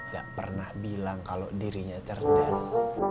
gak pernah bilang kalau dirinya cerdas